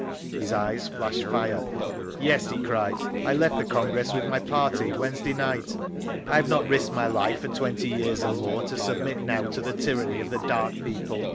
His eyes flashed fire. "Yes!" he cried. "I left the Congress with my party Wednesday night. I have not risked my life for twenty years and more to submit now to the tyranny of the Dark People.